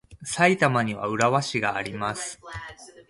埼玉には浦和市があります。